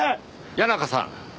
谷中さん